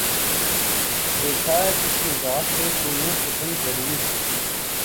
دیکھا ہے کس نگاہ سے تو نے ستم ظریف